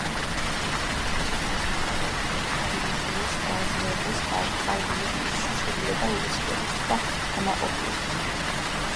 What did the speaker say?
ვერმახტში ყველა ქვეითი დივიზიის დაზვერვის ბატალიონებში შედიოდა ველოსიპედისტთა დანაყოფები.